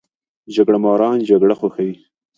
جګړه ماران جګړه خوښوي